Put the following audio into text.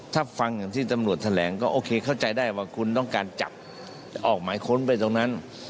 ถ้าฟังอย่างที่ตำรวจแถลงก็โอเคเข้าใจได้ว่าคุณต้องการจับออกหมายค้นไปตรงนั้น